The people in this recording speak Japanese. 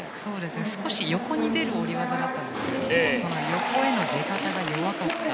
少し横に出る下り技だったんですけどその横への出方が弱かった。